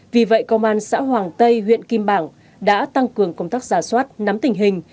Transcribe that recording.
vì vậy công an xã hoàng tây huyện kim bảng đã tăng cường công tác giả soát nắm tình hình